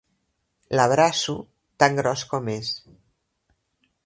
L'abraço, tan gros com és.